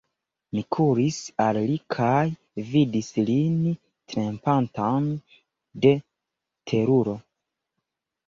Mi kuris al li kaj vidis lin tremantan de teruro.